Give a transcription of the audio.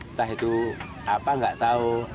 entah itu apa nggak tahu